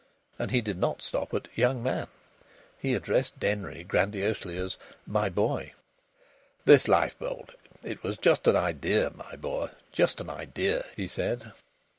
And he did not stop at "young man." He addressed Denry grandiosely as "my boy." "This lifeboat it was just an idea, my boy, just an idea," he said.